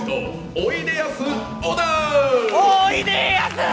おいでやす！